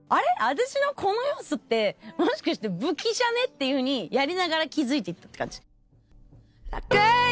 私のこの要素ってもしかして武器じゃね？っていうふうにやりながら気付いていったって感じ。